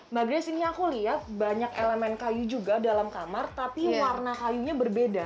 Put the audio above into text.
mbak grace ini aku lihat banyak elemen kayu juga dalam kamar tapi warna kayunya berbeda